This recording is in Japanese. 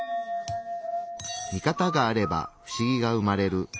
ミカタがあれば不思議が生まれる「カガクノミカタ」。